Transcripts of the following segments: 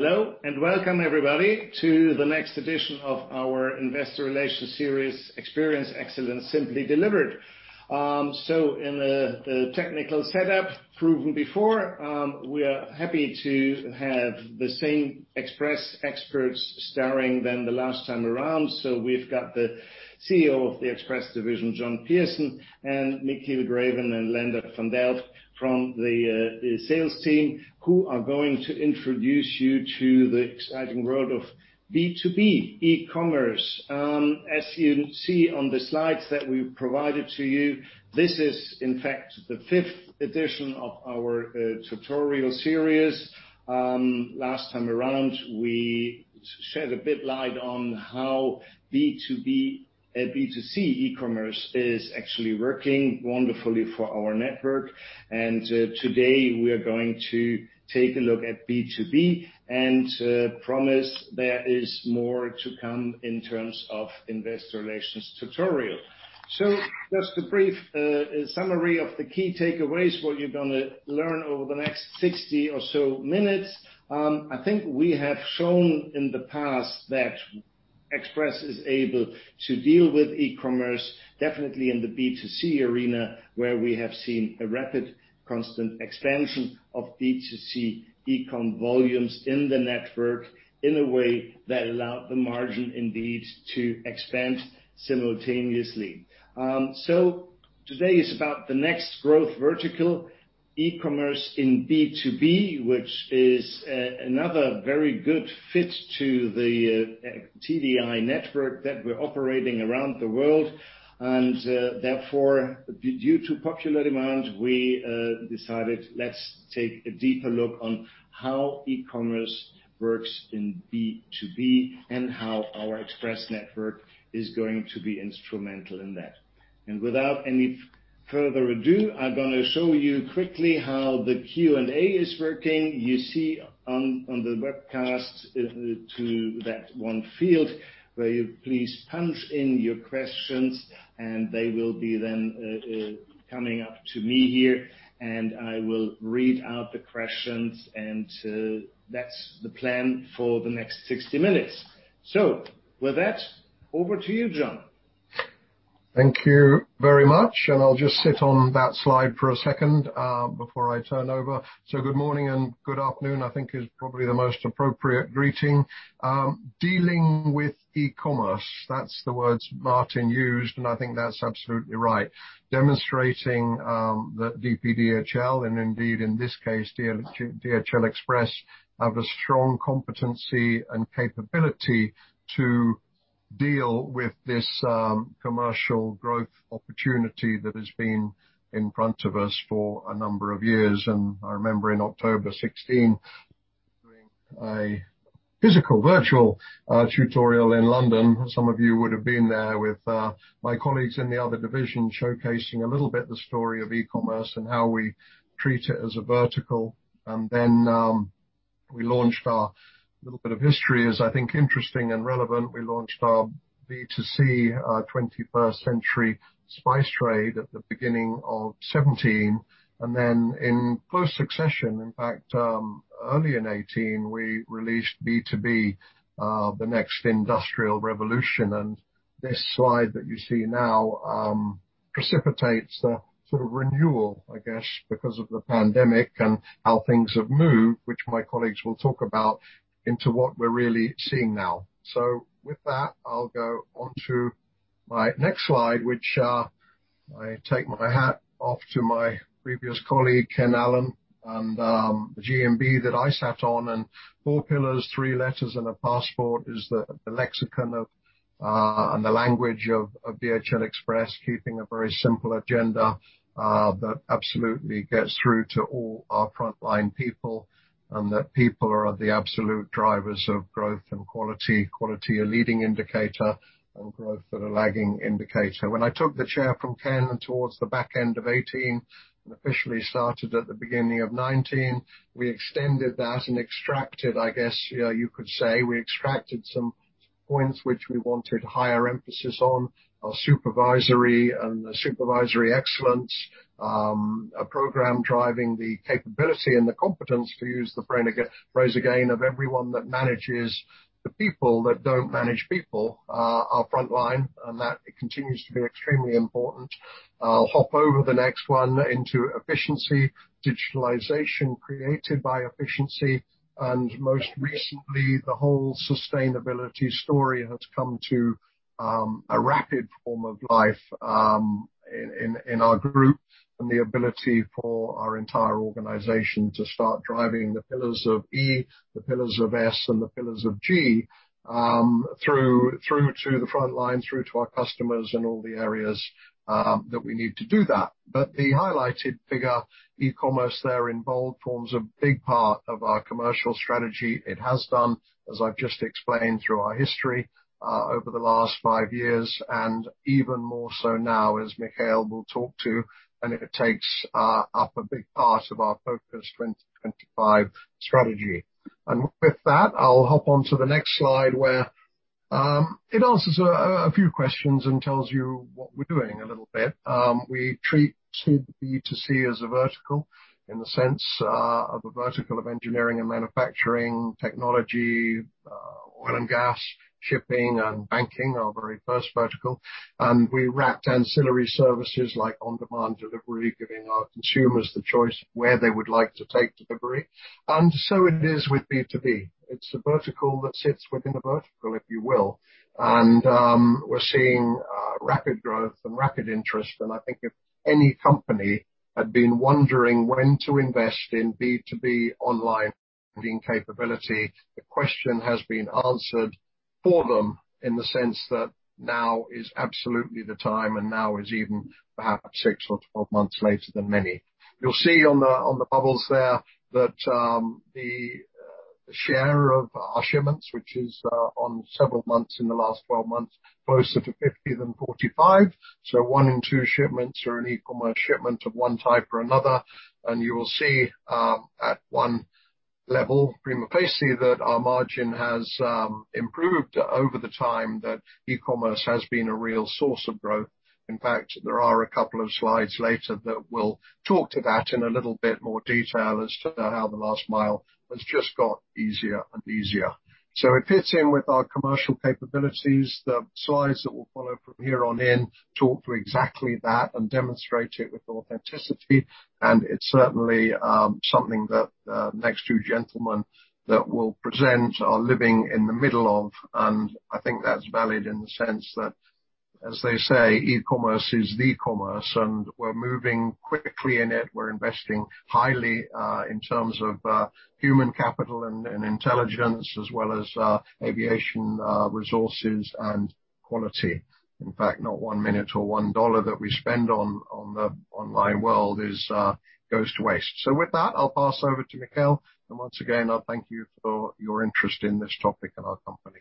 Hello, and welcome everybody to the next edition of our investor relations series, Experience Excellence. Simply Delivered. In the technical setup proven before, we are happy to have the same Express experts starring than the last time around. We've got the CEO of the Express division, John Pearson, and Michiel Greeven and Leendert van Delft from the sales team, who are going to introduce you to the exciting world of B2B e-commerce. As you see on the slides that we've provided to you, this is in fact the fifth edition of our tutorial series. Last time around, we shed a bit light on how B2B and B2C e-commerce is actually working wonderfully for our network. Today, we are going to take a look at B2B, and promise there is more to come in terms of investor relations tutorial. Just a brief summary of the key takeaways, what you're going to learn over the next 60 or so minutes. I think we have shown in the past that Express is able to deal with e-commerce, definitely in the B2C arena, where we have seen a rapid constant expansion of B2C e-com volumes in the network in a way that allowed the margin indeed to expand simultaneously. Today is about the next growth vertical, e-commerce in B2B, which is another very good fit to the TDI network that we're operating around the world. Therefore, due to popular demand, we decided, let's take a deeper look on how e-commerce works in B2B and how our Express network is going to be instrumental in that. Without any further ado, I'm going to show you quickly how the Q&A is working. You see on the webcast to that one field where you please punch in your questions, and they will be then coming up to me here, and I will read out the questions and that's the plan for the next 60 minutes. With that, over to you, John. Thank you very much. I'll just sit on that slide for a second, before I turn over. Good morning and good afternoon, I think is probably the most appropriate greeting. Dealing with e-commerce, that's the words Martin used, and I think that's absolutely right. Demonstrating that DPDHL, and indeed in this case, DHL Express, have a strong competency and capability to deal with this commercial growth opportunity that has been in front of us for a number of years. I remember in October 2016, doing a physical virtual tutorial in London. Some of you would have been there with my colleagues in the other division, showcasing a little bit the story of e-commerce and how we treat it as a vertical. A little bit of history is, I think, interesting and relevant. We launched our B2C, our The 21st Century Spice Trade at the beginning of 2017. In close succession, in fact, early in 2018, we released B2B, the next industrial revolution. This slide that you see now precipitates the sort of renewal, I guess, because of the pandemic and how things have moved, which my colleagues will talk about into what we're really seeing now. With that, I'll go on to my next slide, which I take my hat off to my previous colleague, Ken Allen, and the GMB that I sat on and four pillars, three letters and a passport is the lexicon and the language of DHL Express, keeping a very simple agenda, that absolutely gets through to all our frontline people, and that people are the absolute drivers of growth and quality. Quality a leading indicator and growth are a lagging indicator. When I took the chair from Ken towards the back end of 2018 and officially started at the beginning of 2019, we extended that and extracted, I guess you could say, we extracted some points which we wanted higher emphasis on our supervisory and the supervisory excellence, a program driving the capability and the competence to use the phrase again of everyone that manages the people that don't manage people, our frontline, and that continues to be extremely important. I'll hop over the next one into efficiency, digitalization created by efficiency, and most recently, the whole sustainability story has come to a rapid form of life in our group and the ability for our entire organization to start driving the pillars of ESG, through to the frontline, through to our customers and all the areas that we need to do that. The highlighted figure, e-commerce there in bold forms a big part of our commercial strategy. It has done, as I've just explained, through our history, over the last five years, and even more so now as Michiel will talk to, and it takes up a big part of our Focus 2025 Strategy. With that, I'll hop onto the next slide, where it answers a few questions and tells you what we're doing a little bit. We treat B2C as a vertical, in the sense of a vertical of engineering and manufacturing technology, oil and gas, shipping, and banking, our very first vertical. We wrapped ancillary services like on-demand delivery, giving our consumers the choice where they would like to take delivery. It is with B2B. It's a vertical that sits within a vertical, if you will. We're seeing rapid growth and rapid interest. I think if any company had been wondering when to invest in B2B online capability, the question has been answered for them in the sense that now is absolutely the time, and now is even perhaps six or 12 months later than many. You'll see on the bubbles there that the share of our shipments, which is on several months in the last 12 months, closer to 50 than 45. One in two shipments are an e-commerce shipment of one type or another. You will see at one level, prima facie, that our margin has improved over the time that e-commerce has been a real source of growth. In fact, there are a couple of slides later that will talk to that in a little bit more detail as to how the last mile has just got easier and easier. It fits in with our commercial capabilities. The slides that will follow from here on in talk through exactly that and demonstrate it with authenticity. It's certainly something that the next two gentlemen that will present are living in the middle of. I think that's valid in the sense that, as they say, e-commerce is the commerce, and we're moving quickly in it. We're investing highly in terms of human capital and intelligence, as well as aviation resources and quality. In fact, not one minute or 1 EUR that we spend on the online world goes to waste. With that, I'll pass over to Michiel. Once again, I thank you for your interest in this topic and our company.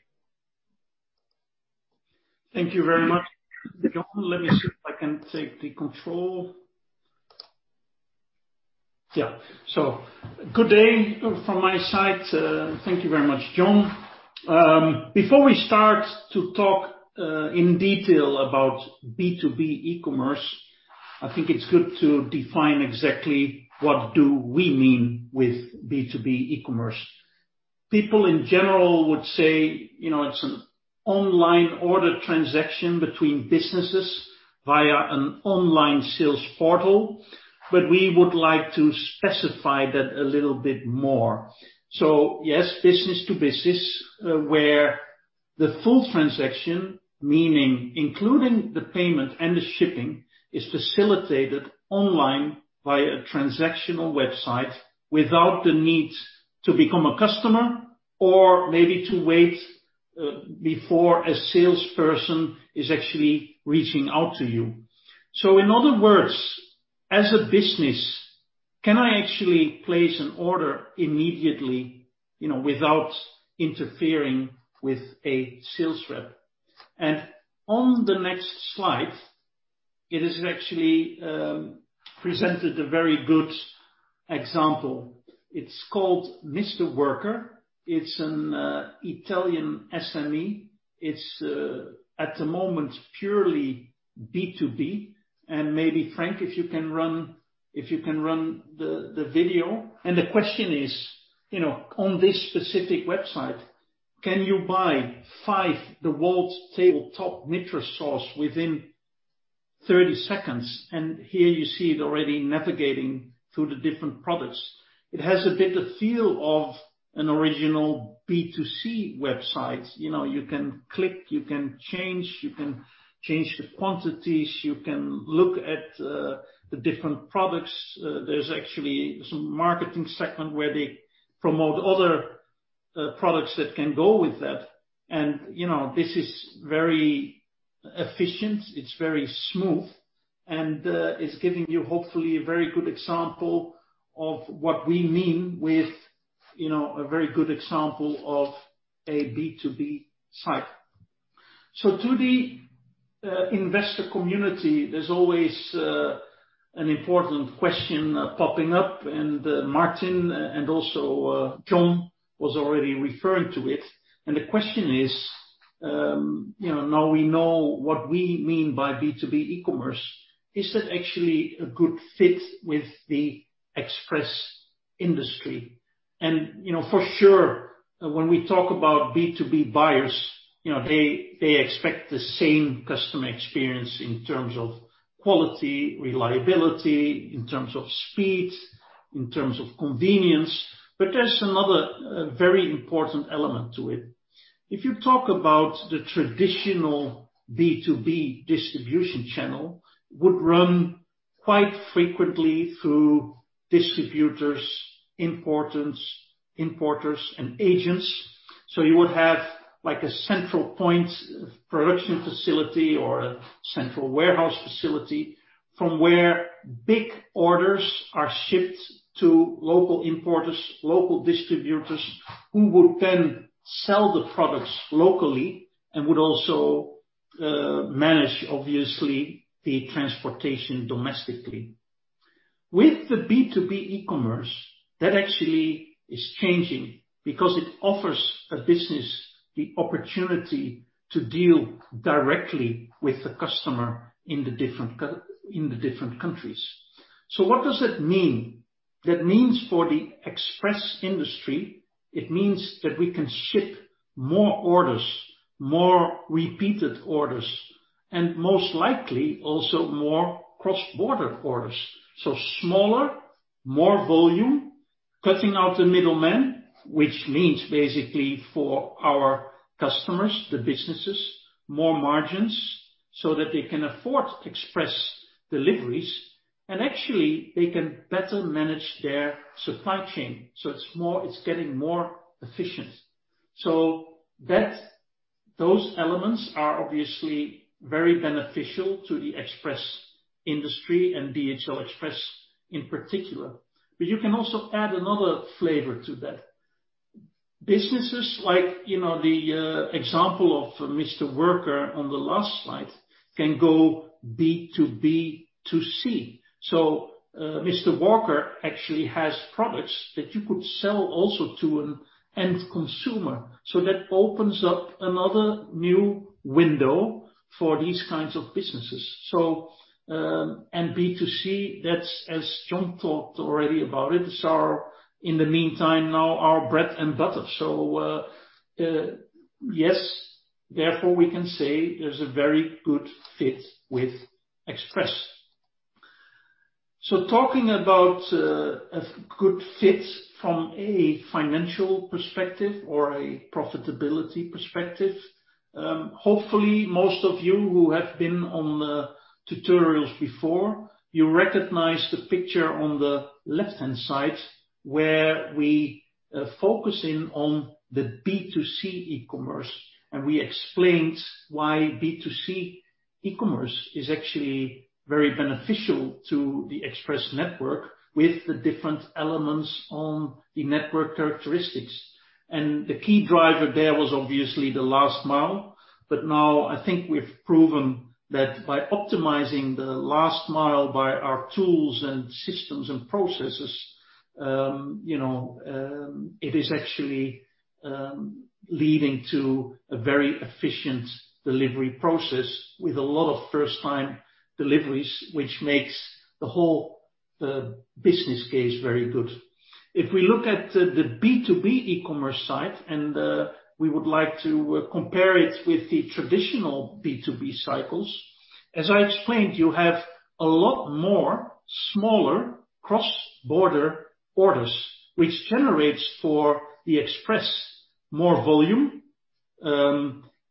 Thank you very much, John. Let me see if I can take the control. Yeah. Good day from my side. Thank you very much, John. Before we start to talk in detail about B2B e-commerce, I think it's good to define exactly what do we mean with B2B e-commerce. People in general would say it's an online order transaction between businesses via an online sales portal, but we would like to specify that a little bit more. Yes, business-to-business, where the full transaction, meaning including the payment and the shipping, is facilitated online via a transactional website without the need to become a customer or maybe to wait before a salesperson is actually reaching out to you. In other words, as a business, can I actually place an order immediately without interfering with a sales rep? On the next slide, it is actually presented a very good example. It's called Mister Worker. It's an Italian SME. It's at the moment purely B2B. Maybe, Frank, if you can run the video. The question is, on this specific website, can you buy five DEWALT tabletop miter saws within 30 seconds? Here you see it already navigating through the different products. It has a bit of feel of an original B2C website. You can click, you can change the quantities, you can look at the different products. There's actually some marketing segment where they promote other products that can go with that. This is very efficient, it's very smooth, and it's giving you hopefully a very good example of what we mean with a very good example of a B2B site. To the investor community, there's always an important question popping up, and Martin and also John was already referring to it. The question is, now we know what we mean by B2B e-commerce. Is that actually a good fit with the express industry? For sure, when we talk about B2B buyers, they expect the same customer experience in terms of quality, reliability, in terms of speed, in terms of convenience. There's another very important element to it. If you talk about the traditional B2B distribution channel would run quite frequently through distributors, importers, and agents. You would have a central point production facility or a central warehouse facility from where big orders are shipped to local importers, local distributors, who would then sell the products locally and would also manage, obviously, the transportation domestically. With the B2B e-commerce, that actually is changing because it offers a business the opportunity to deal directly with the customer in the different countries. What does that mean? That means for the express industry, it means that we can ship more orders, more repeated orders, and most likely also more cross-border orders. Smaller, more volume, cutting out the middleman, which means basically for our customers, the businesses, more margins so that they can afford express deliveries, and actually they can better manage their supply chain. It's getting more efficient. Those elements are obviously very beneficial to the express industry and DHL Express in particular. You can also add another flavor to that. Businesses like the example of Mister Worker on the last slide can go B2B2C. Mister Worker actually has products that you could sell also to an end consumer. That opens up another new window for these kinds of businesses. B2C, that's as John talked already about it, in the meantime now our bread and butter. Yes, therefore we can say there's a very good fit with Express. Talking about a good fit from a financial perspective or a profitability perspective, hopefully most of you who have been on the tutorials before, you recognize the picture on the left-hand side where we focus in on the B2C e-commerce, and we explained why B2C e-commerce is actually very beneficial to the Express network with the different elements on the network characteristics. The key driver there was obviously the last mile, but now I think we've proven that by optimizing the last mile by our tools and systems and processes, it is actually leading to a very efficient delivery process with a lot of first-time deliveries, which makes the whole business case very good. If we look at the B2B e-commerce side, we would like to compare it with the traditional B2B cycles, as I explained, you have a lot more smaller cross-border orders, which generates for the Express more volume.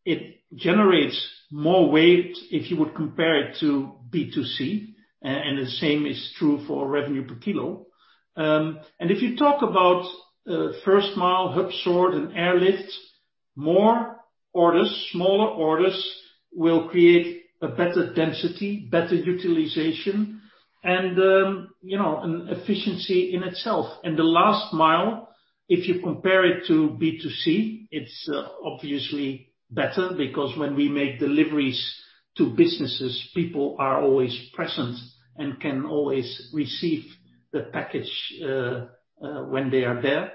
It generates more weight if you would compare it to B2C, the same is true for revenue per kilo. If you talk about first mile hub sort and airlift, more orders, smaller orders will create a better density, better utilization, and an efficiency in itself. The last mile, if you compare it to B2C, it's obviously better because when we make deliveries to businesses, people are always present and can always receive the package when they are there.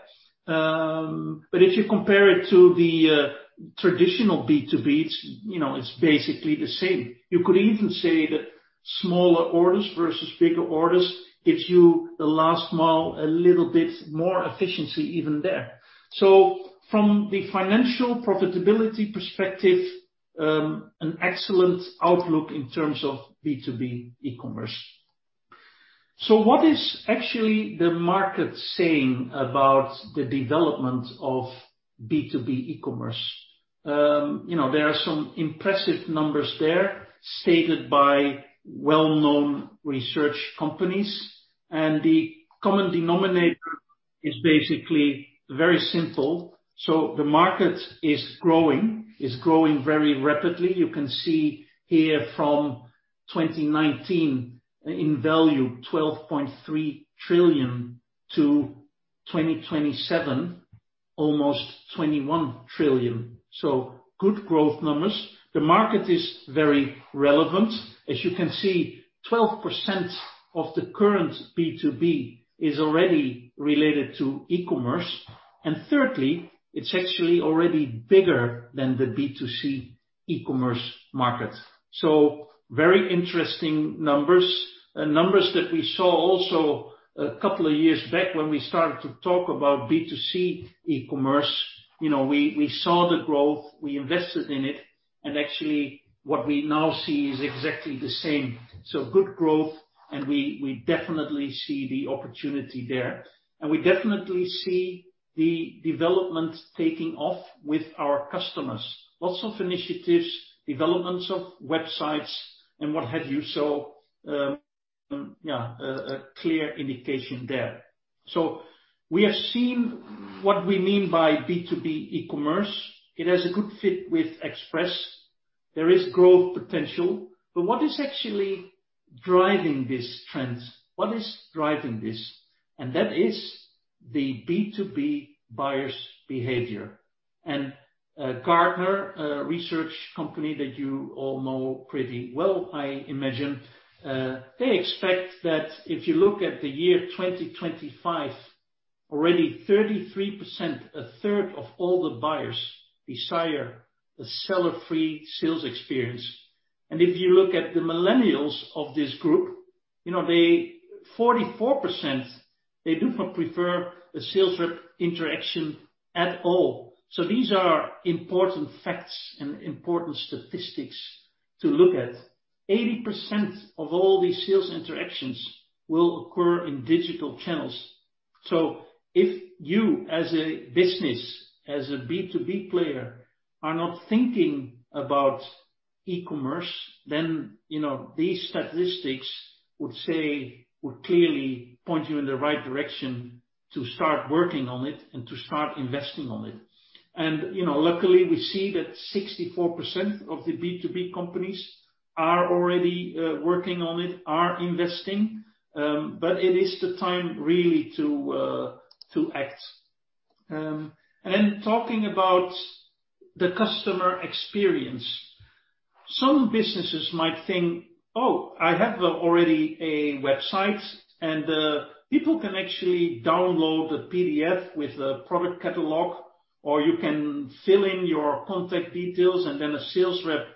If you compare it to the traditional B2B, it's basically the same. You could even say that smaller orders versus bigger orders gives you the last mile a little bit more efficiency even there. From the financial profitability perspective, an excellent outlook in terms of B2B e-commerce. What is actually the market saying about the development of B2B e-commerce? There are some impressive numbers there stated by well-known research companies, and the common denominator is basically very simple. The market is growing, is growing very rapidly. You can see here from 2019 in value 12.3 trillion to 2027, almost 21 trillion. Good growth numbers. The market is very relevant. As you can see, 12% of the current B2B is already related to e-commerce. Thirdly, it's actually already bigger than the B2C e-commerce market. Very interesting numbers. Numbers that we saw also a couple of years back when we started to talk about B2C e-commerce. We saw the growth, we invested in it, and actually what we now see is exactly the same. Good growth, and we definitely see the opportunity there. We definitely see the development taking off with our customers. Lots of initiatives, developments of websites, and what have you. A clear indication there. We have seen what we mean by B2B e-commerce. It has a good fit with Express. There is growth potential. What is actually driving this trend? What is driving this? That is the B2B buyer's behavior. Gartner, a research company that you all know pretty well, I imagine. They expect that if you look at the year 2025, already 33%, a third of all the buyers, desire a seller-free sales experience. If you look at the millennials of this group, 44%, they do not prefer a sales rep interaction at all. These are important facts and important statistics to look at. 80% of all these sales interactions will occur in digital channels. If you as a business, as a B2B player, are not thinking about e-commerce, then these statistics would clearly point you in the right direction to start working on it and to start investing on it. Luckily, we see that 64% of the B2B companies are already working on it, are investing. It is the time really to act. Talking about the customer experience. Some businesses might think, "Oh, I have already a website, and people can actually download a PDF with a product catalog, or you can fill in your contact details and then a sales rep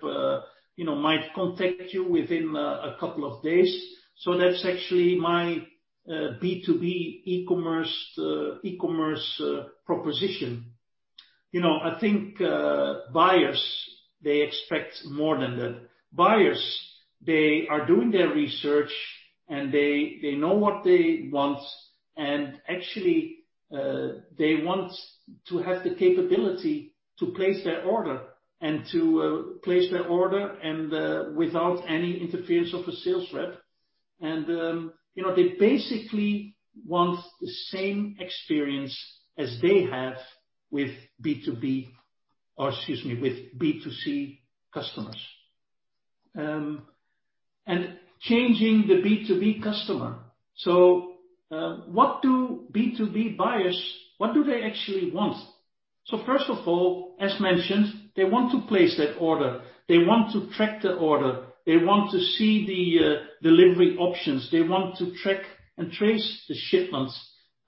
might contact you within a couple of days." That's actually my B2B e-commerce proposition. I think buyers, they expect more than that. Buyers, they are doing their research and they know what they want, and actually, they want to have the capability to place their order, and to place their order without any interference of a sales rep. They basically want the same experience as they have with B2B, or excuse me, with B2C customers. Changing the B2B customer. What do B2B buyers, what do they actually want? First of all, as mentioned, they want to place that order. They want to track the order. They want to see the delivery options. They want to track and trace the shipments.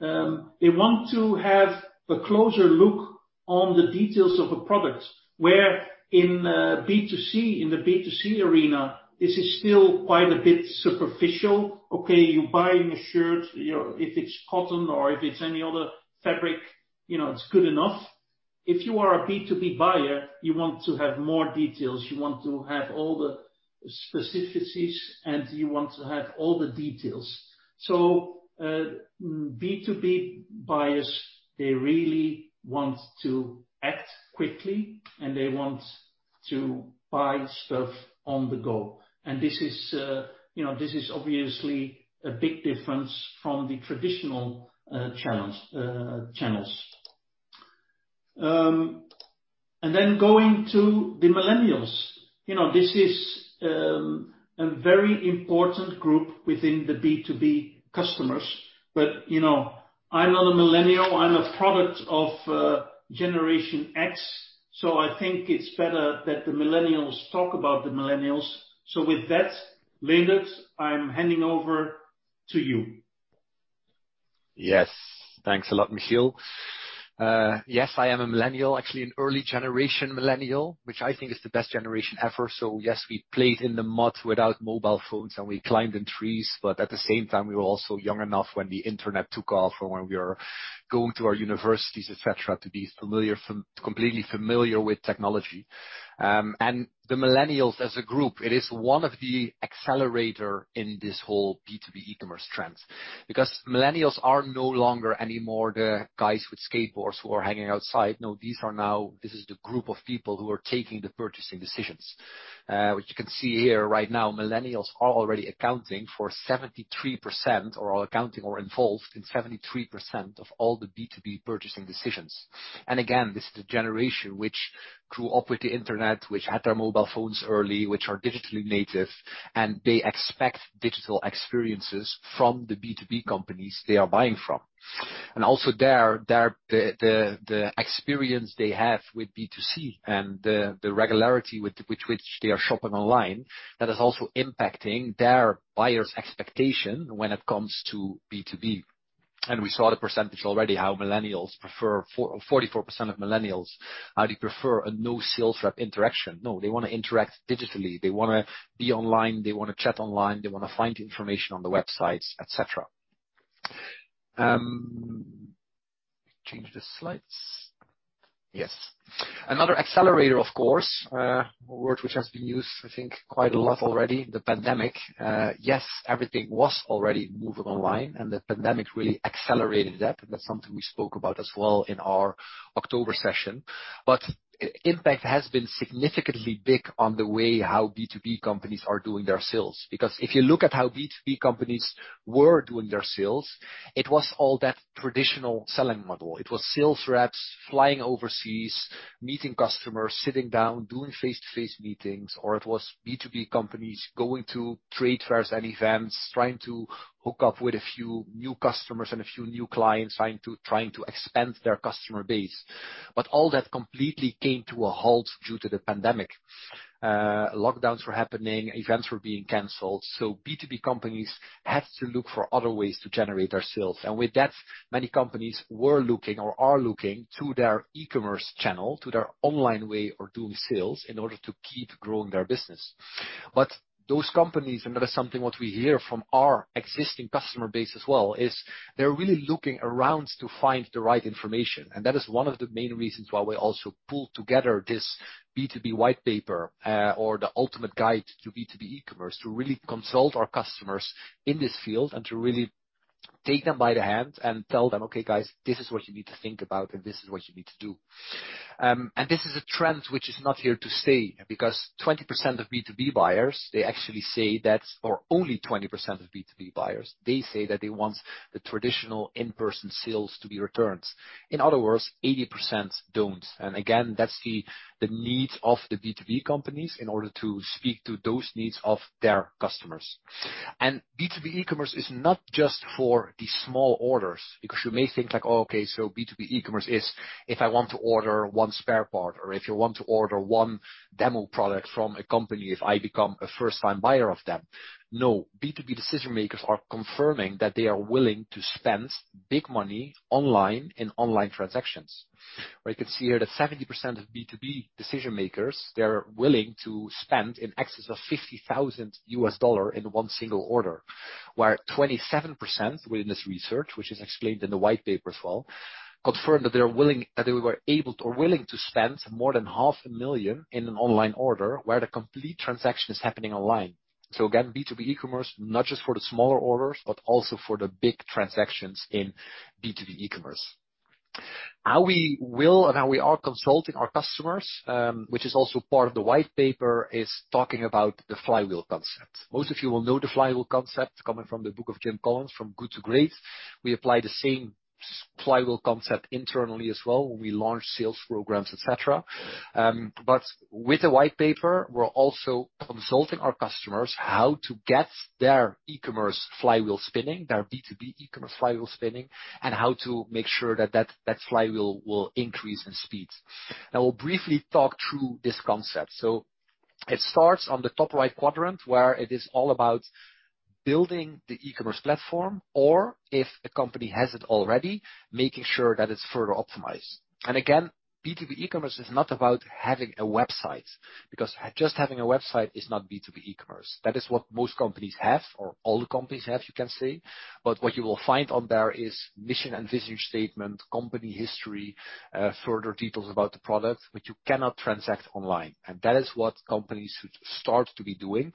They want to have a closer look on the details of a product, where in the B2C arena, this is still quite a bit superficial. Okay, you're buying a shirt, if it's cotton or if it's any other fabric, it's good enough. If you are a B2B buyer, you want to have more details, you want to have all the specificities, and you want to have all the details. B2B buyers, they really want to act quickly, and they want to buy stuff on the go. This is obviously a big difference from the traditional channels. Going to the millennials. This is a very important group within the B2B customers. I'm not a millennial, I'm a product of Generation X, so I think it's better that the millennials talk about the millennials. With that, Leendert, I'm handing over to you. Yes. Thanks a lot, Michiel. Yes, I am a millennial. Actually, an early generation millennial, which I think is the best generation ever. Yes, we played in the mud without mobile phones, and we climbed in trees. At the same time, we were also young enough when the internet took off from when we were going to our universities, et cetera, to be completely familiar with technology. The millennials as a group, it is one of the accelerator in this whole B2B e-commerce trends. Because millennials are no longer anymore the guys with skateboards who are hanging outside. No, this is the group of people who are taking the purchasing decisions. Which you can see here right now, millennials are already accounting for 73%, or are accounting or involved in 73% of all the B2B purchasing decisions. Again, this is the generation which grew up with the internet, which had their mobile phones early, which are digitally native, and they expect digital experiences from the B2B companies they are buying from. Also the experience they have with B2C and the regularity with which they are shopping online, that is also impacting their buyers' expectation when it comes to B2B. We saw the percentage already, 44% of millennials, how they prefer a no sales rep interaction. No, they wanna interact digitally. They wanna be online, they wanna chat online, they wanna find information on the websites, et cetera. Change the slides. Yes. Another accelerator, of course, a word which has been used, I think, quite a lot already, the pandemic. Yes, everything was already moving online. The pandemic really accelerated that. That's something we spoke about as well in our October session. Impact has been significantly big on the way how B2B companies are doing their sales. If you look at how B2B companies were doing their sales, it was all that traditional selling model. It was sales reps flying overseas, meeting customers, sitting down, doing face-to-face meetings, or it was B2B companies going to trade fairs and events, trying to hook up with a few new customers and a few new clients, trying to expand their customer base. All that completely came to a halt due to the pandemic. Lockdowns were happening, events were being canceled. B2B companies had to look for other ways to generate their sales. With that, many companies were looking or are looking to their e-commerce channel, to their online way of doing sales in order to keep growing their business. Those companies, and that is something what we hear from our existing customer base as well, is they're really looking around to find the right information. That is one of the main reasons why we also pulled together this B2B white paper, or the ultimate guide to B2B e-commerce, to really consult our customers in this field and to really take them by the hand and tell them, "Okay guys, this is what you need to think about and this is what you need to do." This is a trend which is not here to stay, because only 20% of B2B buyers say that they want the traditional in-person sales to be returned. In other words, 80% don't. Again, that's the needs of the B2B companies in order to speak to those needs of their customers. B2B e-commerce is not just for the small orders, because you may think, oh, okay, so B2B e-commerce is if I want to order one spare part, or if you want to order one demo product from a company, if I become a first-time buyer of them. No. B2B decision-makers are confirming that they are willing to spend big money online in online transactions, where you can see here that 70% of B2B decision-makers, they're willing to spend in excess of $50,000 in one single order. 27% within this research, which is explained in the white paper as well, confirmed that they were able to, or willing to, spend more than half a million in an online order where the complete transaction is happening online. Again, B2B e-commerce, not just for the smaller orders, but also for the big transactions in B2B e-commerce. How we will and how we are consulting our customers, which is also part of the white paper, is talking about the flywheel concept. Most of you will know the flywheel concept coming from the book of Jim Collins, from "Good to Great." We apply the same flywheel concept internally as well when we launch sales programs, et cetera. With the white paper, we're also consulting our customers how to get their B2B e-commerce flywheel spinning, and how to make sure that flywheel will increase in speed. Now we'll briefly talk through this concept. It starts on the top right quadrant, where it is all about building the e-commerce platform, or if a company has it already, making sure that it's further optimized. Again, B2B e-commerce is not about having a website, because just having a website is not B2B e-commerce. That is what most companies have, or all the companies have, you can say. What you will find on there is mission and vision statement, company history, further details about the product, but you cannot transact online. That is what companies should start to be doing.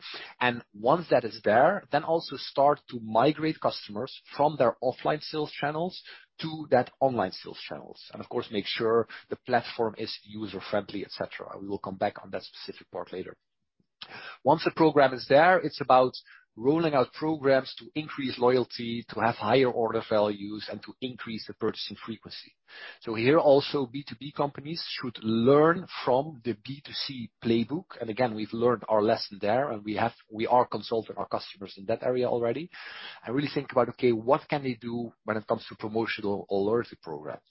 Once that is there, also start to migrate customers from their offline sales channels to that online sales channels. Of course, make sure the platform is user-friendly, et cetera. We will come back on that specific part later. Once the program is there, it's about rolling out programs to increase loyalty, to have higher order values, and to increase the purchasing frequency. Here also, B2B companies should learn from the B2C playbook. Again, we've learned our lesson there, we are consulting our customers in that area already, really think about, okay, what can they do when it comes to promotional or loyalty programs?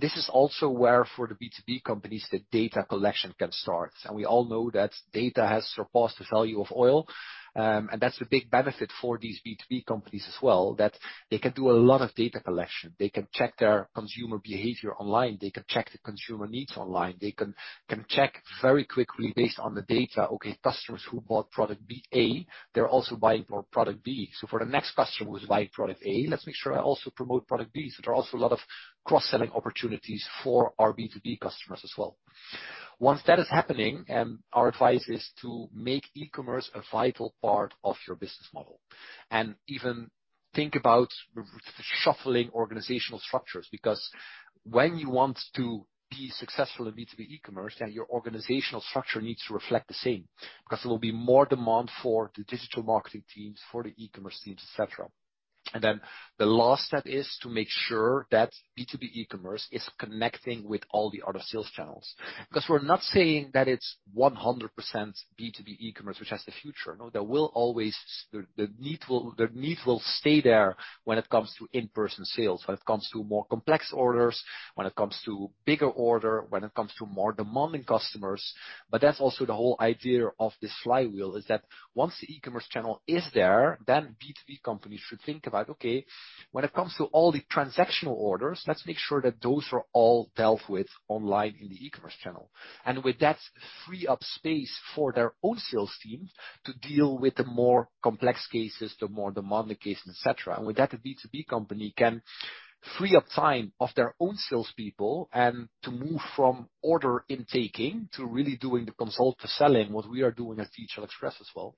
This is also where, for the B2B companies, the data collection can start. We all know that data has surpassed the value of oil. That's the big benefit for these B2B companies as well, that they can do a lot of data collection. They can check their consumer behavior online. They can check the consumer needs online. They can check very quickly based on the data, okay, customers who bought product A, they're also buying product B. For the next customer who's buying product A, let's make sure I also promote product B. There are also a lot of cross-selling opportunities for our B2B customers as well. Once that is happening, our advice is to make e-commerce a vital part of your business model. Even think about shuffling organizational structures, because when you want to be successful in B2B e-commerce, your organizational structure needs to reflect the same. Because there will be more demand for the digital marketing teams, for the e-commerce teams, et cetera. The last step is to make sure that B2B e-commerce is connecting with all the other sales channels. Because we're not saying that it's 100% B2B e-commerce which has the future. No, the need will stay there when it comes to in-person sales, when it comes to more complex orders, when it comes to bigger order, when it comes to more demanding customers. That's also the whole idea of this flywheel, is that once the e-commerce channel is there, then B2B companies should think about, okay, when it comes to all the transactional orders, let's make sure that those are all dealt with online in the e-commerce channel. With that, free up space for their own sales team to deal with the more complex cases, the more demanding cases, et cetera. With that, the B2B company can free up time of their own salespeople and to move from order intaking to really doing the consult to selling, what we are doing at DHL Express as well.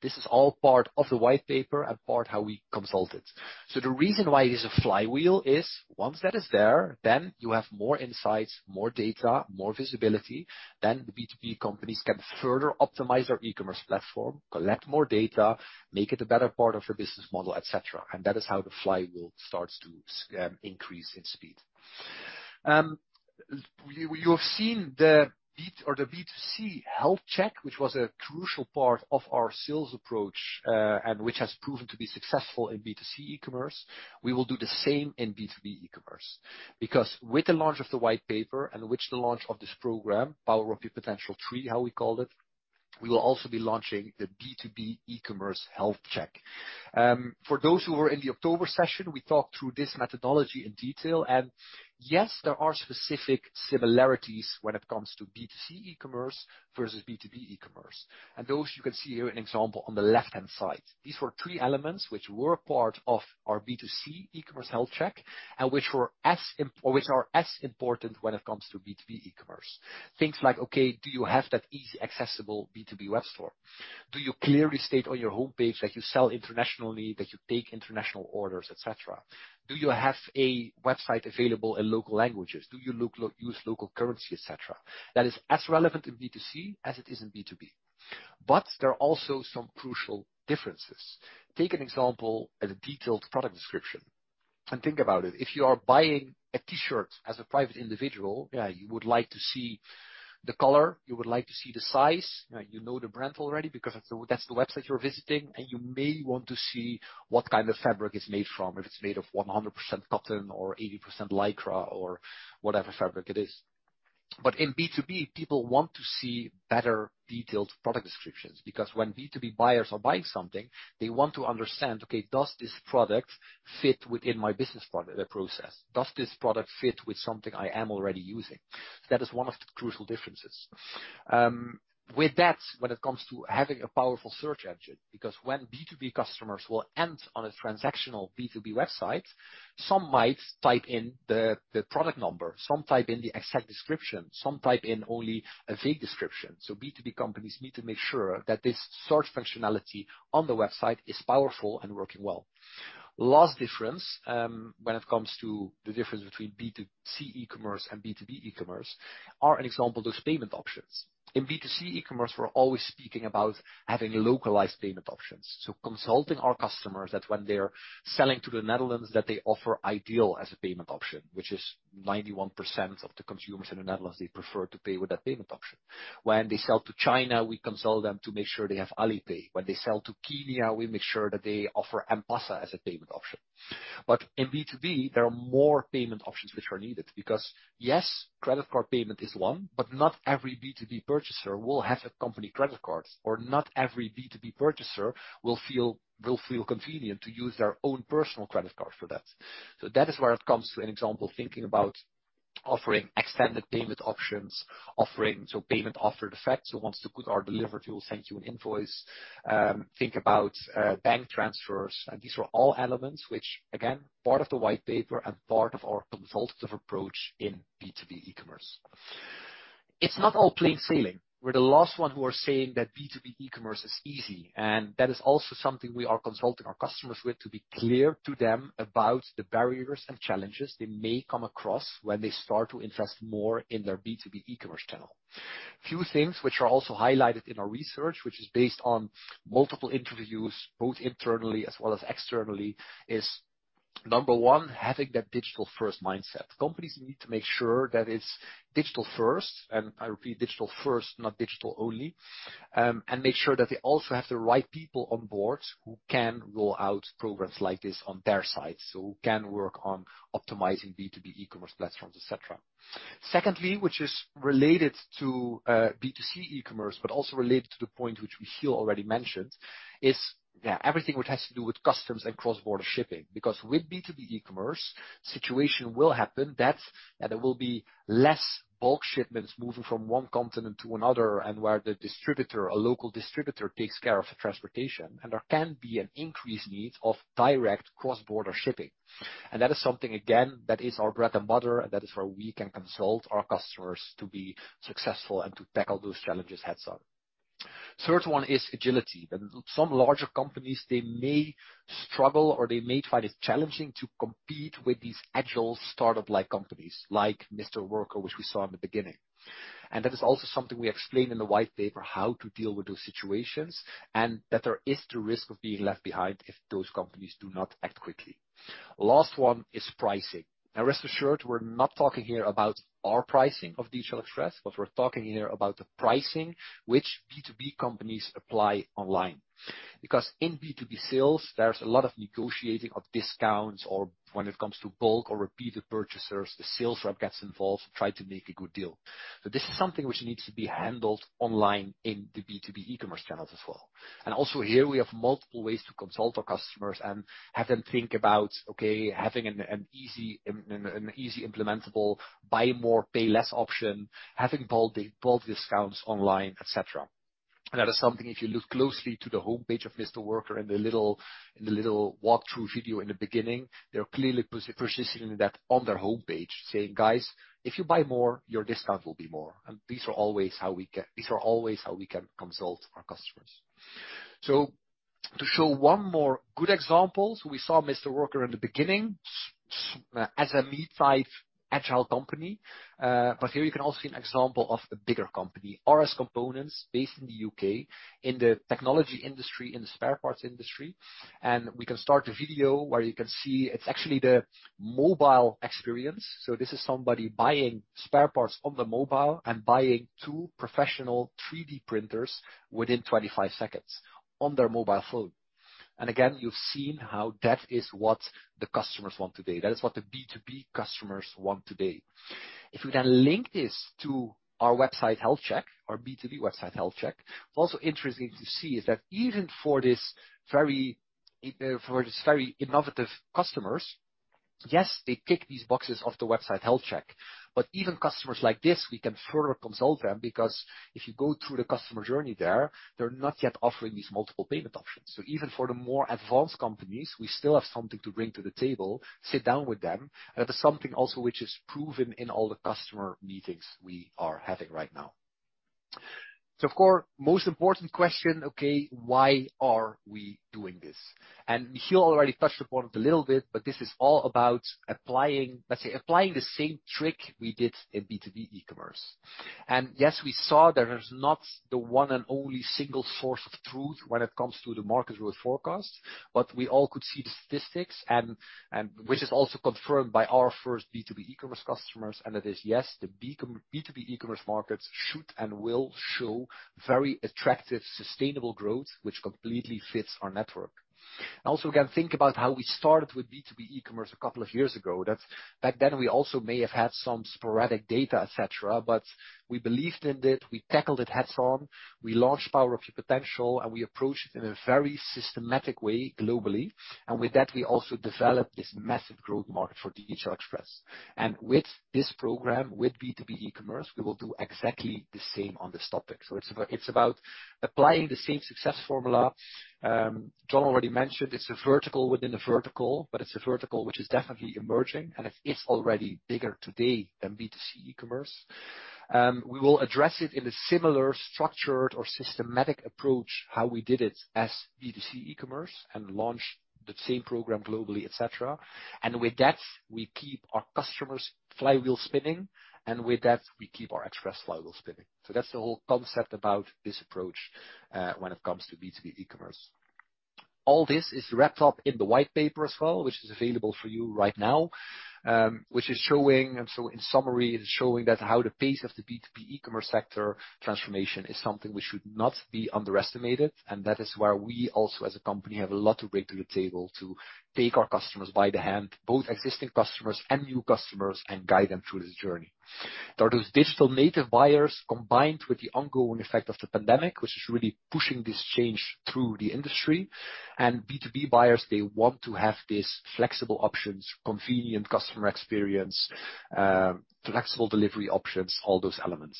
This is all part of the white paper and part how we consult it. The reason why it is a flywheel is once that is there, then you have more insights, more data, more visibility. The B2B companies can further optimize their e-commerce platform, collect more data, make it a better part of their business model, et cetera. That is how the flywheel starts to increase in speed. You have seen the B2C health check, which was a crucial part of our sales approach, and which has proven to be successful in B2C e-commerce. We will do the same in B2B e-commerce, because with the launch of the white paper and with the launch of this program, Power Up Your Potential III, how we called it, we will also be launching the B2B e-commerce health check. For those who were in the October session, we talked through this methodology in detail. Yes, there are specific similarities when it comes to B2C e-commerce versus B2B e-commerce, and those you can see here an example on the left-hand side. These were three elements which were part of our B2C e-commerce health check, and which are as important when it comes to B2B e-commerce. Things like, okay, do you have that easy accessible B2B web store? Do you clearly state on your homepage that you sell internationally, that you take international orders, et cetera? Do you have a website available in local languages? Do you use local currency, et cetera? That is as relevant in B2C as it is in B2B. There are also some crucial differences. Take an example at a detailed product description and think about it. If you are buying a T-shirt as a private individual, you would like to see the color, you would like to see the size. You know the brand already because that's the website you're visiting, and you may want to see what kind of fabric it's made from. If it's made of 100% cotton or 80% LYCRA or whatever fabric it is. In B2B, people want to see better detailed product descriptions because when B2B buyers are buying something, they want to understand, okay, does this product fit within my business process? Does this product fit with something I am already using? That is one of the crucial differences. With that, when it comes to having a powerful search engine, because when B2B customers will end on a transactional B2B website, some might type in the product number, some type in the exact description, some type in only a vague description. B2B companies need to make sure that this search functionality on the website is powerful and working well. Last difference when it comes to the difference between B2C e-commerce and B2B e-commerce are an example, those payment options. In B2C e-commerce, we're always speaking about having localized payment options. Consulting our customers that when they're selling to the Netherlands that they offer iDEAL as a payment option, which is 91% of the consumers in the Netherlands, they prefer to pay with that payment option. When they sell to China, we consult them to make sure they have Alipay. When they sell to Kenya, we make sure that they offer M-PESA as a payment option. In B2B, there are more payment options which are needed because, yes, credit card payment is one, but not every B2B purchaser will have a company credit card, or not every B2B purchaser will feel convenient to use their own personal credit card for that. That is where it comes to an example, thinking about offering extended payment options, offering payment after the fact. Once the goods are delivered, we will send you an invoice. Think about bank transfers. These are all elements which, again, part of the white paper and part of our consultative approach in B2B e-commerce. It's not all plain sailing. We're the last one who are saying that B2B e-commerce is easy, and that is also something we are consulting our customers with to be clear to them about the barriers and challenges they may come across when they start to invest more in their B2B e-commerce channel. Few things which are also highlighted in our research, which is based on multiple interviews, both internally as well as externally, is number one, having that digital first mindset. Companies need to make sure that it's digital first, and I repeat, digital first, not digital only. Make sure that they also have the right people on board who can roll out programs like this on their side. Who can work on optimizing B2B e-commerce platforms, et cetera. Secondly, which is related to B2C e-commerce, but also related to the point which Michiel already mentioned is everything which has to do with customs and cross-border shipping. Because with B2B e-commerce, situation will happen that there will be less bulk shipments moving from one continent to another, and where the distributor, a local distributor, takes care of the transportation, and there can be an increased need of direct cross-border shipping. That is something, again, that is our bread and butter, and that is where we can consult our customers to be successful and to tackle those challenges heads on. Third one is agility. Some larger companies, they may struggle, or they may find it challenging to compete with these agile, startup-like companies like Mister Worker, which we saw in the beginning. That is also something we explain in the white paper, how to deal with those situations, and that there is the risk of being left behind if those companies do not act quickly. Last one is pricing. Now, rest assured, we're not talking here about our pricing of DHL Express, but we're talking here about the pricing which B2B companies apply online. In B2B sales, there's a lot of negotiating of discounts, or when it comes to bulk or repeated purchasers, the sales rep gets involved to try to make a good deal. This is something which needs to be handled online in the B2B e-commerce channels as well. Also here we have multiple ways to consult our customers and have them think about, okay, having an easy implementable buy more, pay less option, having bulk discounts online, et cetera. That is something, if you look closely to the homepage of Mister Worker in the little walkthrough video in the beginning, they're clearly positioning that on their homepage saying, "Guys, if you buy more, your discount will be more." These are always how we can consult our customers. To show one more good example. We saw Mister Worker in the beginning as a mid-size agile company. Here you can also see an example of a bigger company, RS Components, based in the U.K., in the technology industry, in the spare parts industry. We can start the video where you can see it's actually the mobile experience. This is somebody buying spare parts on the mobile and buying two professional 3D printers within 25 seconds on their mobile phone. Again, you've seen how that is what the customers want today. That is what the B2B customers want today. If we link this to our website health check, our B2B website health check, also interesting to see is that even for this very innovative customers, yes, they tick these boxes of the website health check. Even customers like this, we can further consult them, because if you go through the customer journey there, they're not yet offering these multiple payment options. Even for the more advanced companies, we still have something to bring to the table, sit down with them. That is something also which is proven in all the customer meetings we are having right now. Of course, most important question, okay, why are we doing this? Michiel already touched upon it a little bit, but this is all about applying, let's say, applying the same trick we did in B2B e-commerce. Yes, we saw that there's not the one and only single source of truth when it comes to the market growth forecast. We all could see the statistics, which is also confirmed by our first B2B e-commerce customers, and that is, yes, the B2B e-commerce markets should and will show very attractive, sustainable growth, which completely fits our network. Again, think about how we started with B2B e-commerce a couple of years ago. Back then, we also may have had some sporadic data, et cetera, but we believed in it. We tackled it heads on. We launched Power Up Your Potential, we approached it in a very systematic way globally. With that, we also developed this massive growth market for DHL Express. With this program, with B2B e-commerce, we will do exactly the same on this topic. It's about applying the same success formula. John already mentioned it's a vertical within a vertical, but it's a vertical which is definitely emerging, and it is already bigger today than B2C e-commerce. We will address it in a similar structured or systematic approach, how we did it as B2C e-commerce and launch the same program globally, et cetera. With that, we keep our customers' flywheel spinning, and with that, we keep our Express flywheel spinning. That's the whole concept about this approach, when it comes to B2B e-commerce. All this is wrapped up in the white paper as well, which is available for you right now, which is showing. In summary, it is showing that how the pace of the B2B e-commerce sector transformation is something which should not be underestimated, and that is where we also, as a company, have a lot to bring to the table to take our customers by the hand, both existing customers and new customers, and guide them through this journey. There are those digital native buyers, combined with the ongoing effect of the pandemic, which is really pushing this change through the industry. B2B buyers, they want to have this flexible options, convenient customer experience, flexible delivery options, all those elements.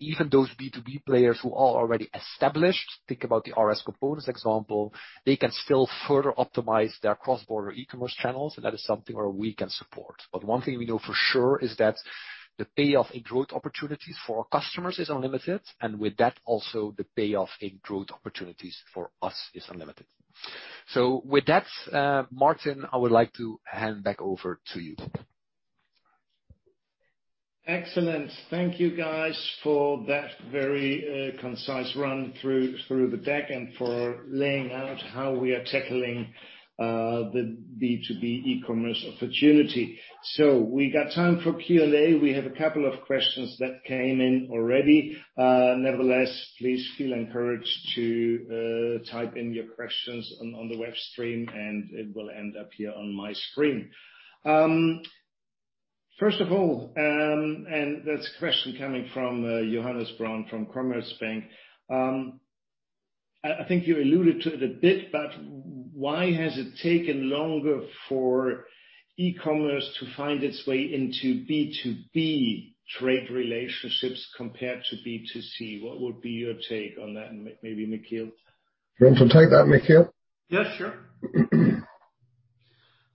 Even those B2B players who are already established, think about the RS Components example. They can still further optimize their cross-border e-commerce channels. That is something where we can support. One thing we know for sure is that the payoff in growth opportunities for our customers is unlimited, and with that, also the payoff in growth opportunities for us is unlimited. With that, Martin, I would like to hand back over to you. Excellent. Thank you guys for that very concise run through the deck and for laying out how we are tackling the B2B e-commerce opportunity. We got time for Q&A. We have a couple of questions that came in already. Nevertheless, please feel encouraged to type in your questions on the web stream, and it will end up here on my screen. First of all, that's a question coming from Johannes Braun from Commerzbank. I think you alluded to it a bit, but why has it taken longer for e-commerce to find its way into B2B trade relationships compared to B2C? What would be your take on that? Maybe Michiel. You want to take that, Michiel? Yeah, sure.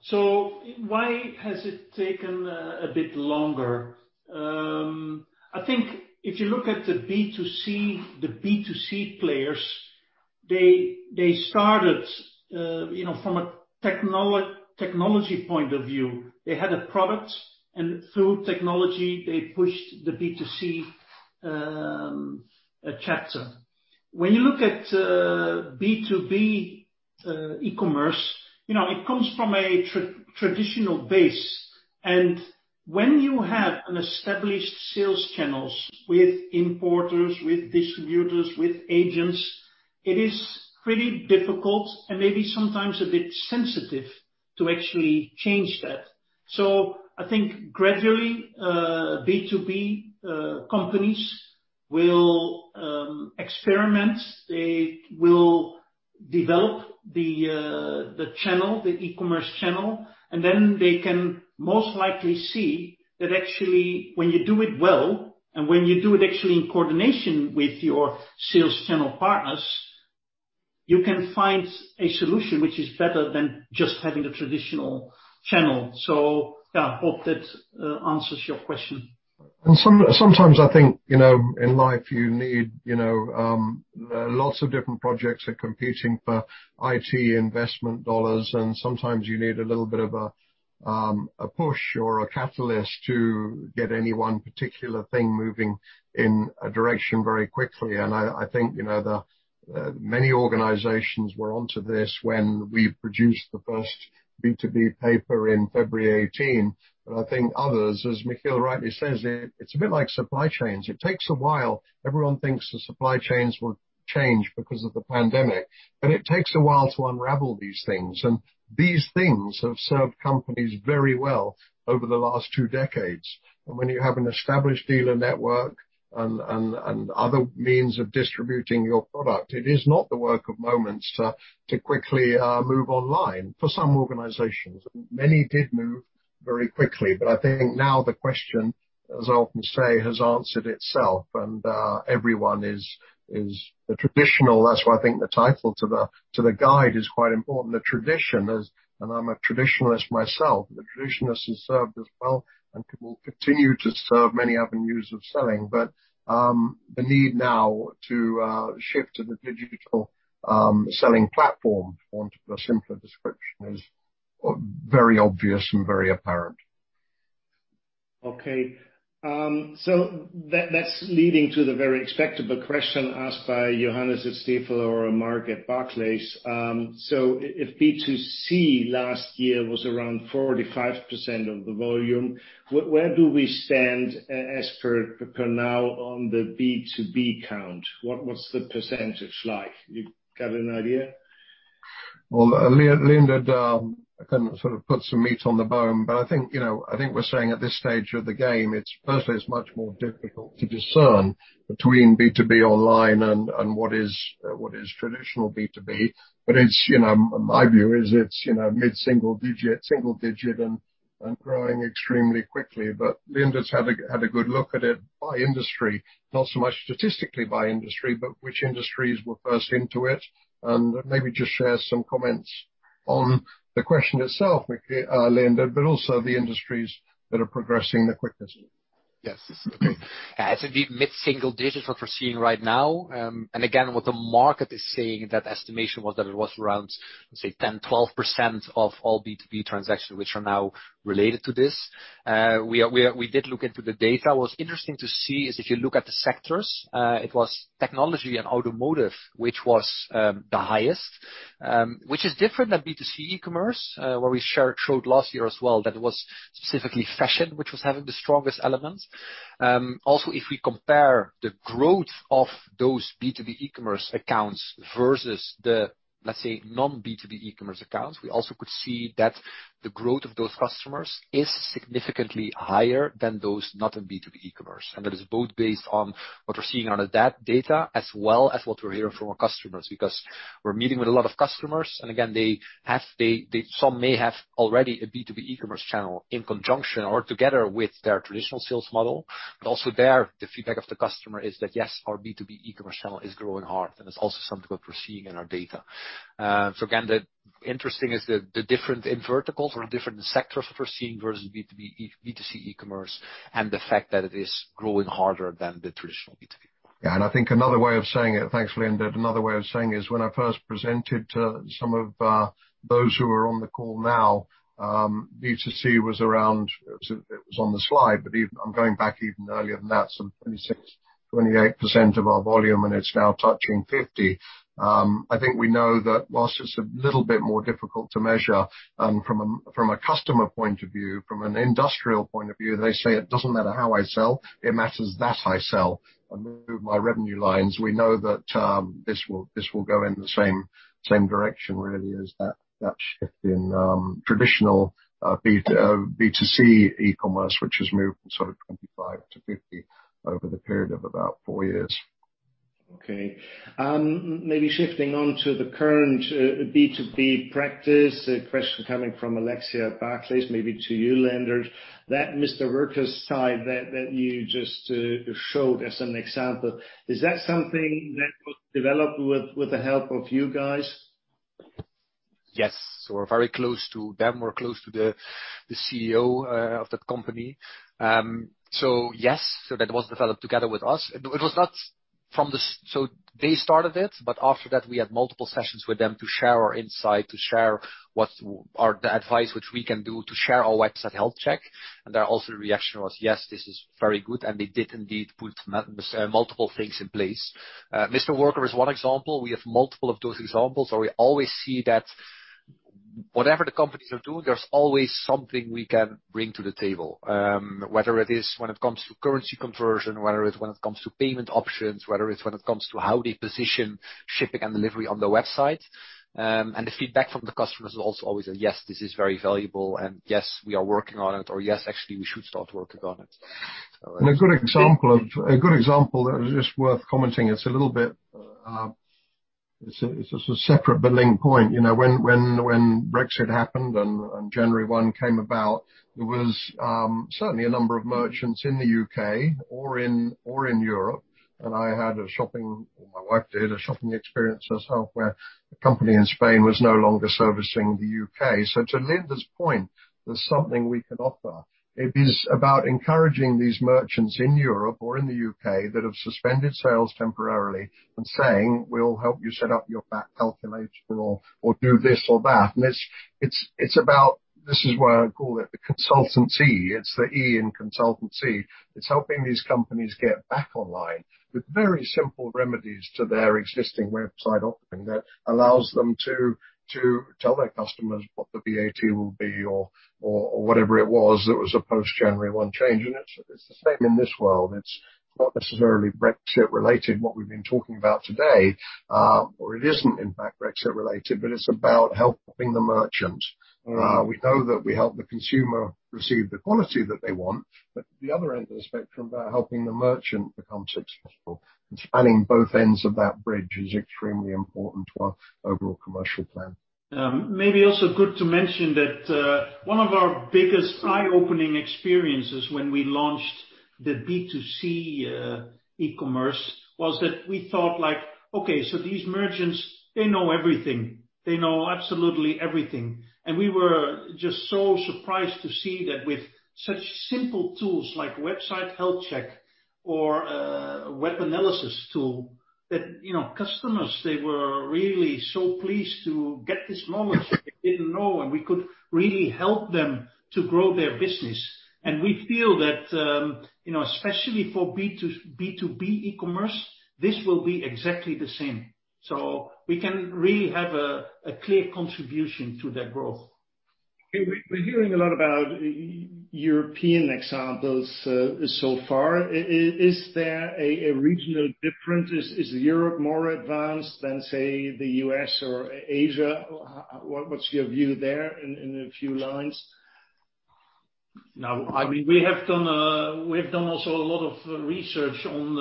Why has it taken a bit longer? I think if you look at the B2C players, they started from a technology point of view. They had a product, and through technology, they pushed the B2C chapter. When you look at B2B e-commerce, it comes from a traditional base, and when you have an established sales channels with importers, with distributors, with agents, it is pretty difficult and maybe sometimes a bit sensitive to actually change that. I think gradually, B2B companies will experiment. They will develop the channel, the e-commerce channel, and then they can most likely see that actually, when you do it well and when you do it actually in coordination with your sales channel partners, you can find a solution which is better than just having a traditional channel. Yeah, hope that answers your question. Sometimes I think, in life, lots of different projects are competing for IT investment dollars, and sometimes you need a little bit of a push or a catalyst to get any one particular thing moving in a direction very quickly. I think, many organizations were onto this when we produced the first B2B paper in February 2018. I think others, as Michiel rightly says, it's a bit like supply chains. It takes a while. Everyone thinks the supply chains will change because of the pandemic, but it takes a while to unravel these things. These things have served companies very well over the last two decades. When you have an established dealer network and other means of distributing your product, it is not the work of moments to quickly move online for some organizations. Many did move very quickly. I think now the question, as I often say, has answered itself and everyone is the traditional. That's why I think the title to the guide is quite important. The tradition is, and I'm a traditionalist myself, the traditionalist has served us well and will continue to serve many avenues of selling. The need now to shift to the digital selling platform, onto a simpler description, is very obvious and very apparent. Okay. That's leading to the very expectable question asked by Johannes at Stifel or Mark at Barclays. If B2C last year was around 45% of the volume, where do we stand as per now on the B2B count? What's the percentage like? You got an idea? Leendert can sort of put some meat on the bone, I think we're saying at this stage of the game, firstly, it's much more difficult to discern between B2B online and what is traditional B2B. My view is it's mid-single digit, and growing extremely quickly. Leendert's had a good look at it by industry, not so much statistically by industry, which industries were first into it, and maybe just share some comments on the question itself, Leendert, also the industries that are progressing the quickest. Yes. Yeah. It's indeed mid-single digits what we're seeing right now. Again, what the market is saying, that estimation was that it was around, let's say, 10%, 12% of all B2B transactions which are now related to this. We did look into the data. What's interesting to see is if you look at the sectors, it was technology and automotive which was the highest, which is different than B2C e-commerce, where we showed last year as well that it was specifically fashion which was having the strongest elements. Also, if we compare the growth of those B2B e-commerce accounts versus the, let's say, non-B2B e-commerce accounts, we also could see that the growth of those customers is significantly higher than those not in B2B e-commerce. That is both based on what we're seeing out of that data, as well as what we're hearing from our customers, because we're meeting with a lot of customers, and again, some may have already a B2B e-commerce channel in conjunction or together with their traditional sales model. Also there, the feedback of the customer is that, "Yes, our B2B e-commerce channel is growing hard," and it's also something that we're seeing in our data. Again, the interesting is the difference in verticals or different sectors that we're seeing versus B2C e-commerce, and the fact that it is growing harder than the traditional B2B. Yeah, I think another way of saying it, thanks, Leendert. Another way of saying is when I first presented to some of those who are on the call now, B2C was around, it was on the slide, but I'm going back even earlier than that, some 26%, 28% of our volume, and it's now touching 50. I think we know that while it's a little bit more difficult to measure from a customer point of view, from an industrial point of view, they say, "It doesn't matter how I sell. It matters that I sell." I move my revenue lines. We know that this will go in the same direction, really, as that shift in traditional B2C e-commerce, which has moved from sort of 25 to 50 over the period of about four years. Okay. Maybe shifting on to the current B2B practice, a question coming from Alexia at Barclays, maybe to you, Leendert. That Mister Worker site that you just showed as an example, is that something that was developed with the help of you guys? Yes. We're very close to them. We're close to the CEO of that company. Yes. That was developed together with us. They started it, but after that, we had multiple sessions with them to share our insight, to share the advice which we can do to share our website health check. Their also reaction was, "Yes, this is very good." They did indeed put multiple things in place. Mister Worker is one example. We have multiple of those examples, and we always see that whatever the companies are doing, there's always something we can bring to the table. Whether it is when it comes to currency conversion, whether it's when it comes to payment options, whether it's when it comes to how they position shipping and delivery on the website. The feedback from the customers is also always a, "Yes, this is very valuable," and, "Yes, we are working on it," or, "Yes, actually, we should start working on it." A good example that is just worth commenting, it's a separate billing point. When Brexit happened and January 1 came about, there was certainly a number of merchants in the U.K. or in Europe, and I had a shopping experience or my wife did, herself where a company in Spain was no longer servicing the UK. To Leendert's point, there's something we can offer. It is about encouraging these merchants in Europe or in the U.K. that have suspended sales temporarily and saying, "We'll help you set up your VAT calculation or do this or that." It's about, this is why I call it the consultancy. It's the E in consultancy. It's helping these companies get back online with very simple remedies to their existing website offering that allows them to tell their customers what the VAT will be or whatever it was that was a post January one change. It's the same in this world. It's not necessarily Brexit related, what we've been talking about today, or it isn't in fact Brexit related, but it's about helping the merchant. We know that we help the consumer receive the quality that they want, but the other end of the spectrum about helping the merchant become successful and spanning both ends of that bridge is extremely important to our overall commercial plan. Maybe also good to mention that one of our biggest eye-opening experiences when we launched the B2C e-commerce was that we thought, like, okay, these merchants, they know everything. They know absolutely everything. We were just so surprised to see that with such simple tools like website health check or web analysis tool that, customers, they were really so pleased to get this knowledge they didn't know, and we could really help them to grow their business. We feel that, especially for B2B e-commerce, this will be exactly the same. We can really have a clear contribution to their growth. Okay. We're hearing a lot about European examples so far. Is there a regional difference? Is Europe more advanced than, say, the U.S. or Asia? What's your view there in a few lines? We have done also a lot of research on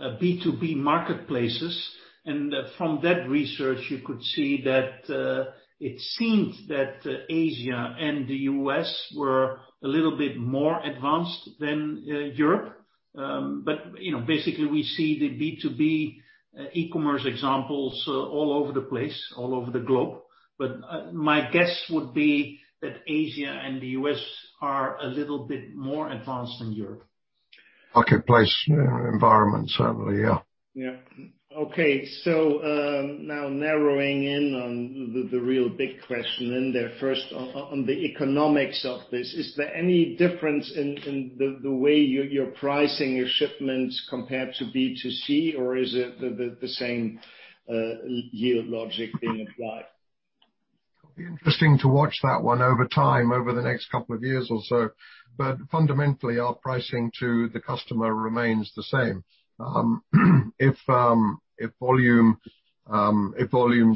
B2B marketplaces, and from that research, you could see that it seemed that Asia and the U.S. were a little bit more advanced than Europe. Basically, we see the B2B e-commerce examples all over the place, all over the globe. My guess would be that Asia and the U.S. are a little bit more advanced than Europe. Marketplace environment, certainly, yeah. Yeah. Now narrowing in on the real big question in there. First, on the economics of this, is there any difference in the way you're pricing your shipments compared to B2C, or is it the same yield logic being applied? It'll be interesting to watch that one over time, over the next couple of years or so. Fundamentally, our pricing to the customer remains the same. If volumes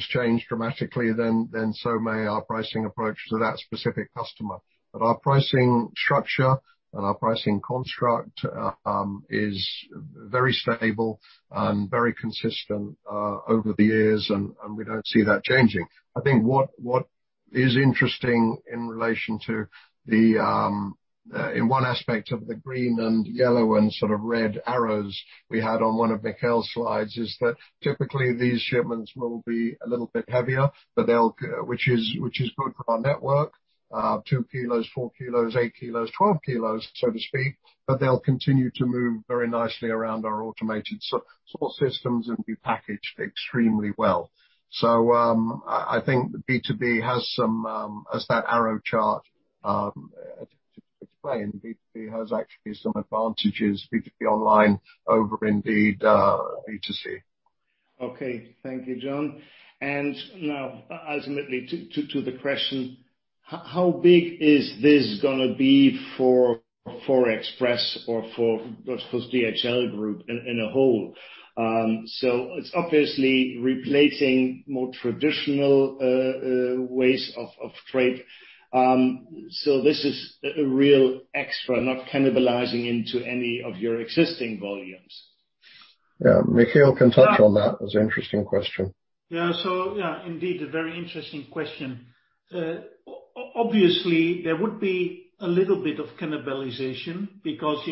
change dramatically, then so may our pricing approach to that specific customer. Our pricing structure and our pricing construct is very stable and very consistent over the years, and we don't see that changing. I think what is interesting in relation to the in one aspect of the green and yellow and sort of red arrows we had on one of Michiel's slides, is that typically these shipments will be a little bit heavier, but which is good for our network. 2 kg, 4 kg, 8 kg, 12 kg, so to speak. They'll continue to move very nicely around our automated sort systems and be packaged extremely well. I think B2B as that arrow chart explained, B2B has actually some advantages, B2B online over indeed, B2C. Okay. Thank you, John. Now, ultimately, to the question, how big is this going to be for express or for Deutsche Post DHL Group as a whole? It's obviously replacing more traditional ways of trade. This is a real extra, not cannibalizing into any of your existing volumes. Yeah. Michiel can touch on that. It's an interesting question. Yeah, indeed, a very interesting question. Obviously, there would be a little bit of cannibalization because,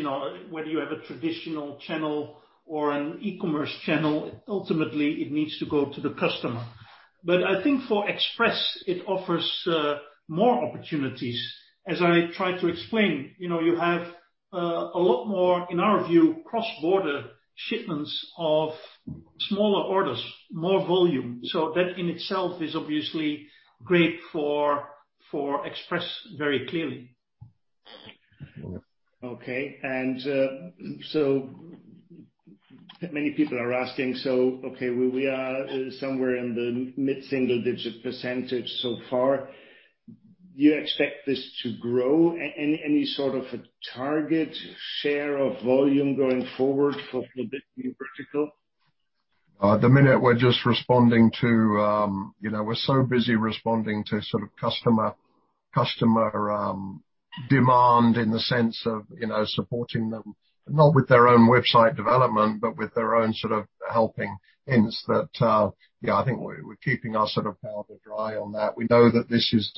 whether you have a traditional channel or an e-commerce channel, ultimately it needs to go to the customer. I think for express, it offers more opportunities. As I try to explain, you have a lot more, in our view, cross-border shipments of smaller orders, more volume. That in itself is obviously great for express very clearly. Yeah. Okay. Many people are asking, okay, we are somewhere in the mid-single digit percentage so far. Do you expect this to grow? Any sort of a target share of volume going forward for the new vertical? At the minute, we're so busy responding to sort of customer demand in the sense of supporting them, not with their own website development, but with their own sort of helping hints that, yeah, I think we're keeping our powder dry on that. We know that this is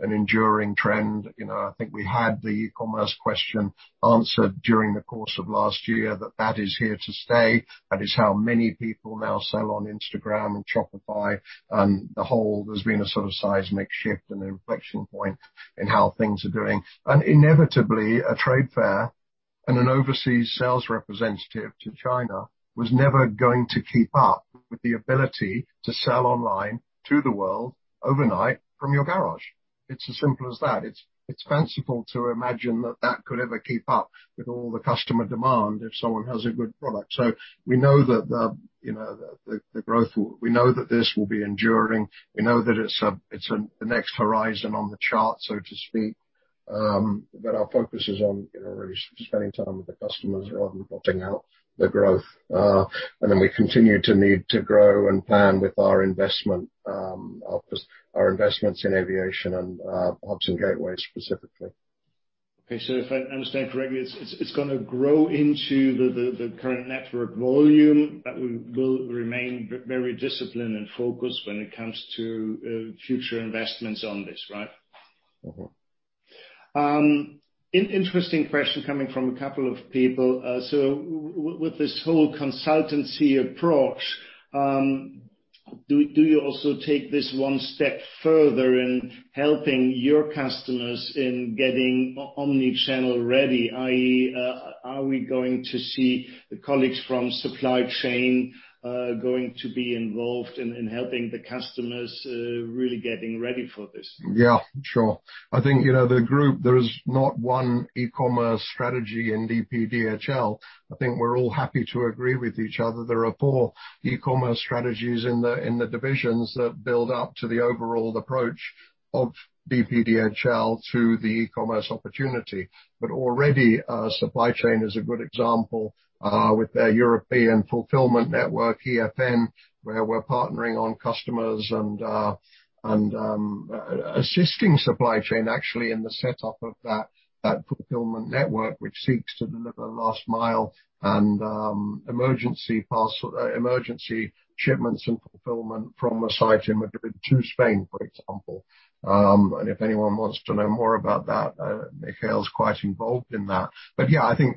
an enduring trend. I think we had the e-commerce question answered during the course of last year that is here to stay. That is how many people now sell on Instagram and Shopify and the whole, there's been a sort of seismic shift and an inflection point in how things are doing. Inevitably, a trade fair and an overseas sales representative to China was never going to keep up with the ability to sell online to the world overnight from your garage. It's as simple as that. It's fanciful to imagine that that could ever keep up with all the customer demand if someone has a good product. We know that the growth, we know that this will be enduring. We know that it's the next horizon on the chart, so to speak, but our focus is on really spending time with the customers rather than plotting out the growth. We continue to need to grow and plan with our investment, our investments in aviation and hubs and gateways specifically. Okay. If I understand correctly, it's going to grow into the current network volume that will remain very disciplined and focused when it comes to future investments on this, right? Interesting question coming from a couple of people. With this whole consultancy approach, do you also take this one step further in helping your customers in getting omnichannel ready? I.e., are we going to see the colleagues from supply chain going to be involved in helping the customers really getting ready for this? Yeah. Sure. I think, the group, there is not one e-commerce strategy in DPDHL. I think we're all happy to agree with each other. There are four e-commerce strategies in the divisions that build up to the overall approach of DPDHL to the e-commerce opportunity. Already, Supply Chain is a good example with their European Fulfilment Network, EFN, where we're partnering on customers and assisting Supply Chain actually in the setup of that fulfilment network, which seeks to deliver last mile and emergency parcel, emergency shipments and fulfilment from a site in Madrid to Spain, for example. If anyone wants to know more about that, Michiel's quite involved in that. Yeah, I think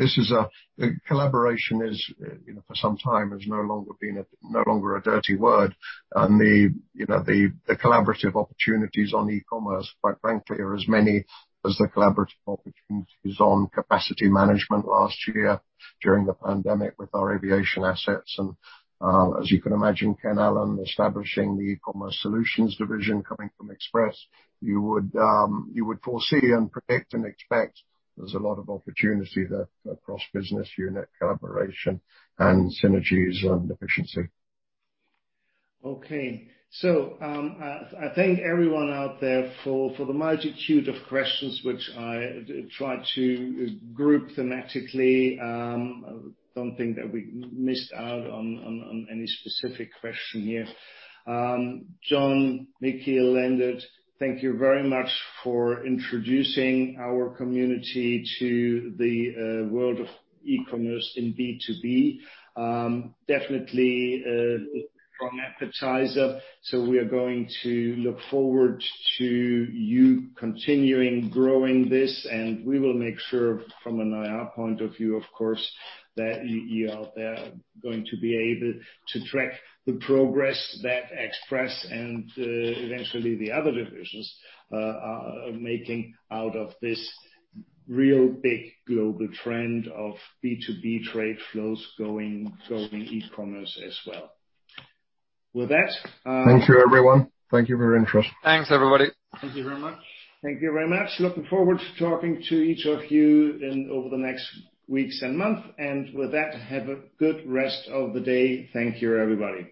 collaboration is, for some time has no longer been a dirty word. The collaborative opportunities on e-commerce, quite frankly, are as many as the collaborative opportunities on capacity management last year during the pandemic with our aviation assets and, as you can imagine, Ken Allen establishing the eCommerce Solutions division coming from Express. You would foresee and predict and expect there's a lot of opportunity there across business unit collaboration and synergies and efficiency. Okay. I thank everyone out there for the multitude of questions which I tried to group thematically. I don't think that we missed out on any specific question here. John, Michiel, Leendert, thank you very much for introducing our community to the world of e-commerce in B2B. Definitely a strong appetizer, we are going to look forward to you continuing growing this, and we will make sure from an IR point of view, of course, that you out there are going to be able to track the progress that Express and eventually the other divisions are making out of this real big global trend of B2B trade flows going e-commerce as well. With that. Thank you, everyone. Thank you for your interest. Thanks, everybody. Thank you very much. Thank you very much. Looking forward to talking to each of you in over the next weeks and month. With that, have a good rest of the day. Thank you, everybody.